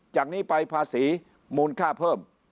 จากนี้ไปภาษีมูลค่าเพิ่ม